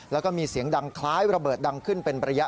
แล้วก็มีเสียงดังคล้ายระเบิดดังขึ้นเป็นระยะ